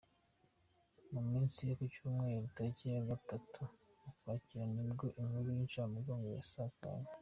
Ku munsi wo ku cyumweru tariki ya gatatu Ukwakira nibwo inkuru y’incamugongo yasakaye.